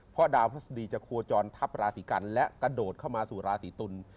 เพราะดาวพฤษฎีจะโคจรทับราศีกันและกระโดดเข้ามาสู่ราศีตุล